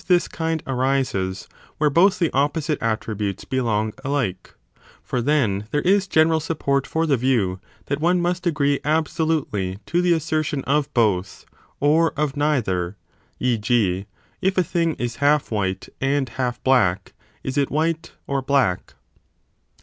Read ralra. 645 26 O i67 a DE SOPHISTICIS ELENCHIS this kind arises, where both the opposite attributes belong alike : for then there is general support for the view that one must agree absolutely to the assertion of both, or of neither : e. g. if a thing is half white and half black, is it 20 white or black